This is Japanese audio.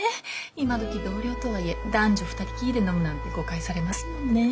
今どき同僚とはいえ男女二人きりで飲むなんて誤解されますもんね。